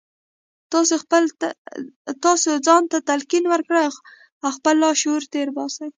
تاسې ځان ته تلقین وکړئ او خپل لاشعور تېر باسئ